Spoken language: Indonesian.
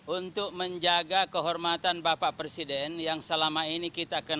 untuk menjaga kehormatan bapak presiden yang selama ini kita kenal